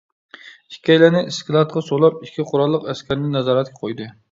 ئىككىيلەننى ئىسكىلاتقا سولاپ، ئىككى قوراللىق ئەسكەرنى نازارەتكە قويدى.